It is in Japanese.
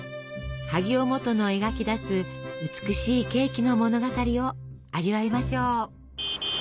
萩尾望都の描き出す美しいケーキの物語を味わいましょう。